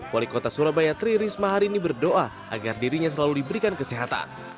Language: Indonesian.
wali kota surabaya tri risma hari ini berdoa agar dirinya selalu diberikan kesehatan